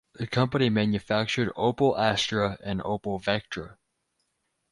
The company manufactured Opel Astra and Opel Vectra.